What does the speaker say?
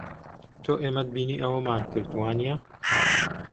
تۆ ئێمەت بینی ئەوەمان کرد، وانییە؟